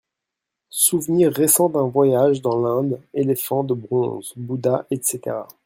Souvenirs récents d’un voyage dans l’Inde éléphants de bronze, Bouddha, etc …